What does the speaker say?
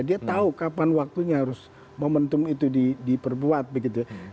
dia tahu kapan waktunya harus momentum itu diperbuat begitu